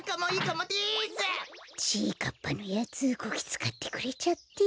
かっぱのやつこきつかってくれちゃって。